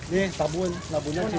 ini sabun sabunnya ini